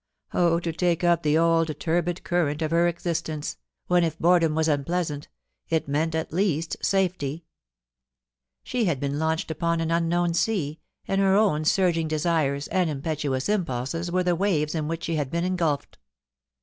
Oh to take up the old turbid current of her existence, when, if boredom was unpleasant, it meant at least safety ! She had been launched upon an unknown sea, and her own surging desires and impetuous impulses were the waves in which she had been engulphed.